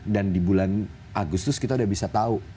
dan di bulan agustus kita udah bisa tahu